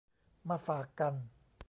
มาฝากกัน